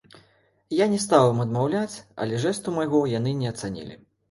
Я не стаў ім адмаўляць, але жэсту майго яны не ацанілі.